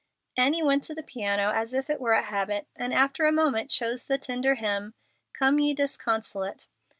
Annie went to the piano as if it were a habit, and after a moment chose the tender hymn "Come, ye disconsolate."